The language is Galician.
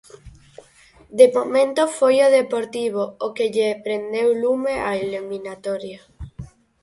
De momento foi o Deportivo o que lle prendeu lume á eliminatoria.